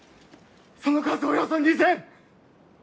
その数およそ２，０００！